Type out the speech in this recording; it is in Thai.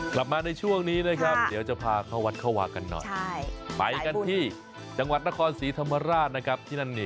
กลับมาในช่วงนี้นะครับเดี๋ยวจะพาเข้าวัดเข้าวากันหน่อยไปกันที่จังหวัดนครศรีธรรมราชนะครับที่นั่นนี่